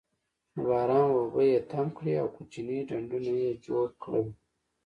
د باران اوبه یې تم کړې او کوچني ډنډونه یې جوړ کړل.